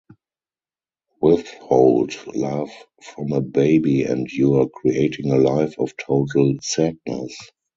Withhold love from a baby and you're creating a life of total sadness.